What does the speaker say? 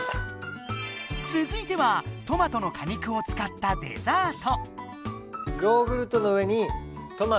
つづいてはトマトの果肉をつかったデザート。